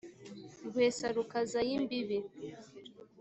Rwesa rukaza ay' imbibi